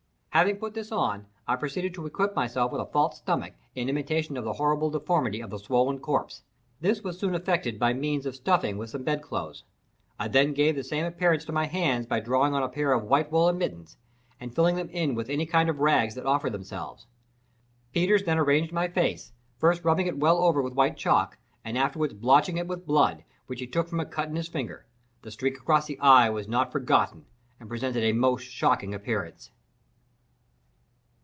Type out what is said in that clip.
Having put this on, I proceeded to equip myself with a false stomach, in imitation of the horrible deformity of the swollen corpse. This was soon effected by means of stuffing with some bedclothes. I then gave the same appearance to my hands by drawing on a pair of white woollen mittens, and filling them in with any kind of rags that offered themselves. Peters then arranged my face, first rubbing it well over with white chalk, and afterward blotching it with blood, which he took from a cut in his finger. The streak across the eye was not forgotten and presented a most shocking appearance.